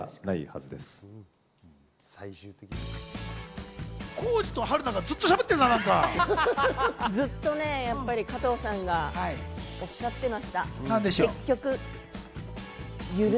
ずっとね、加藤さんがおっしゃっていました。